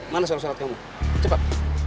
mana surat surat kamu cepat